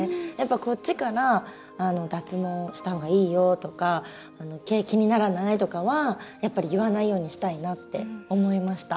こっちから脱毛した方がいいよとか毛、気にならない？とかは言わないようにしたいなって思いました。